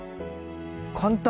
簡単！